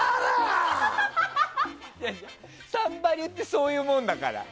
「サンバリュ」ってそういうもんだから。